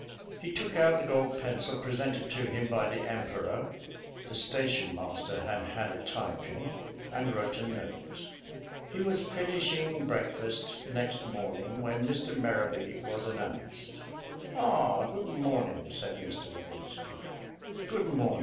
He took out the gold pencil presented to him by the Emperor (the station master had had a tie pin) and wrote a note. He was finishing breakfast next morning when Mr. Merrowby was announced. "Ah, good morning," said Mr. Levinski, "good morning.